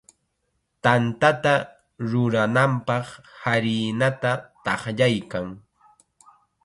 Tantata rurananpaq harinata taqllaykan.